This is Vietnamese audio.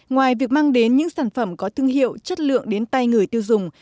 ngoài việc mang đến những sản phẩm có thương hiệu chất lượng đến tay người tiêu dùng